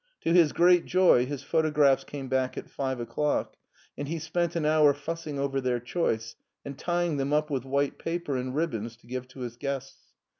To his great joy his photographs came back at five o'clock, and he spent an hour fussing over their choice, and tying them up with white paper and ribbons to give to his guests.